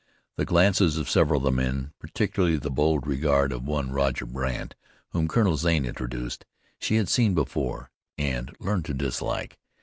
The glances of several of the men, particularly the bold regard of one Roger Brandt, whom Colonel Zane introduced, she had seen before, and learned to dislike.